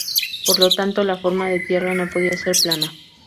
Por lo tanto, la forma de la Tierra no podía ser plana.